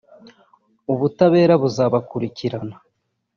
ubutabera buzabakurikirana